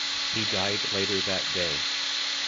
He died later that day.